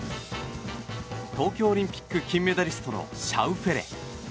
東京オリンピック金メダリストのシャウフェレ。